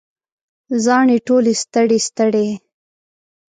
زاڼې ټولې ستړي، ستړي